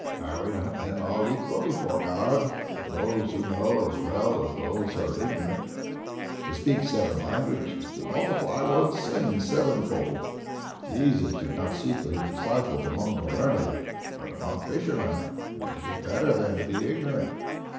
"Are we not then all equal before God, those who know as well as those who are ignorant. To speak seven languages, is to multiply one's sins sevenfold. Jesus did not seek for His apostles among the learned, but among fishermen. It is better then to be ignorant.